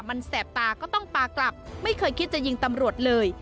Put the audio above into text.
มันแสบตาก็ต้องปลากลับไม่เคยคิดจะยิงตำรวจเลย